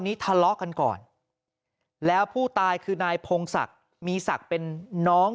ทะเลาะกันก่อนแล้วผู้ตายคือนายพงศักดิ์มีศักดิ์เป็นน้อง